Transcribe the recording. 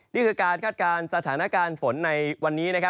นี่คือการคาดการณ์สถานการณ์ฝนในวันนี้